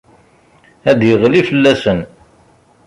Ad d-iɣli fell-asen.